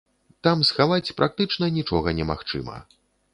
Там схаваць практычна нічога немагчыма.